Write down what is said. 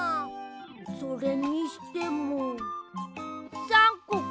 それにしても３こか。